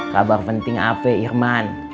kabar penting apa irman